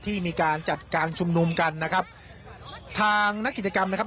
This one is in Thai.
ที่มีการจัดการชุมนุมกันนะครับทางนักกิจกรรมนะครับ